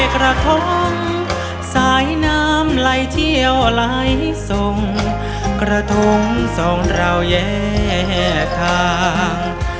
กระทงสายน้ำไหลเที่ยวไหลส่งกระทงสองเราแย่ทาง